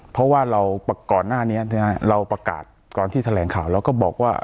เพราะว่าเราก่อนหน้านี้เราประกาศก่อนที่แถลงข่าวเราก็บอกว่า